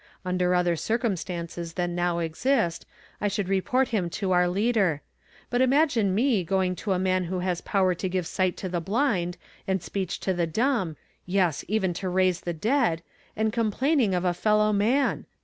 Under other circumstances than now exist I should re port him to our leader; but imagine me going fo a man who has power to give sight to the blind and speech to the dumb, yes, even to raise the' dead, and complaining of a fellow man